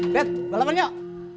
bet balapan yuk